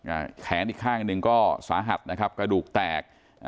แขนอีกข้างหนึ่งก็สาหัสนะครับกระดูกแตกอ่า